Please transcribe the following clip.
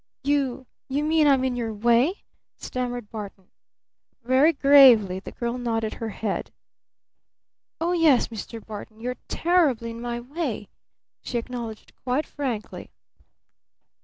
"You you mean I'm in your way?" stammered Barton. Very gravely the girl nodded her head. "Oh, yes, Mr. Barton you're terribly in my way," she acknowledged quite frankly.